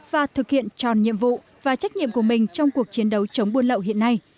và thực hiện tròn nhiệm vụ và trách nhiệm của mình trong cuộc chiến đấu chống buôn lậu hiện nay